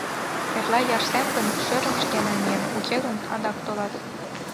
— Эрла ярсем гын, шӧрым шке намием, уке гын, адак толат.